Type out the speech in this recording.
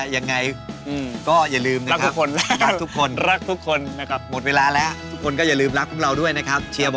ยังไงก็อย่าลืมนะครับ